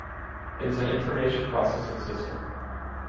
It is an information processing system.